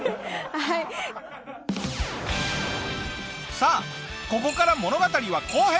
さあここから物語は後編！